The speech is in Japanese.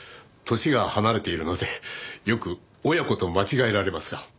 年が離れているのでよく親子と間違えられますが。